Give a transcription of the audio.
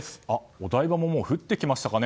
お台場も降ってきましたかね。